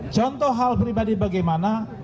contoh hal pribadi bagaimana